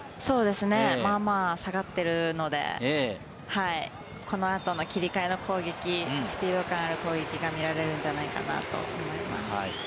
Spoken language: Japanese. まあまあ下がっているので、このあとの切り替えの攻撃、スピードからの攻撃が見られるんじゃないかと思います。